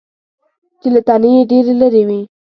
چې له تنې یې ډېرې لرې وي .